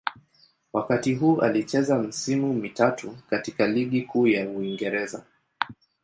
Wakati huu alicheza misimu mitatu katika Ligi Kuu ya Uingereza.